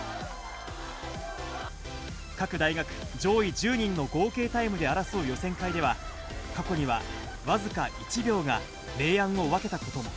各大学上位１０人の合計タイムで争う予選会では、過去には僅か１秒が明暗を分けたことも。